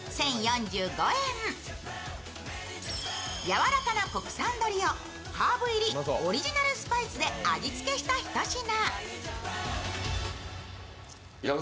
やわらかな国産鶏をハーブ入りオリジナルスパイスで味付けしたひと品。